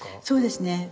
そうですね。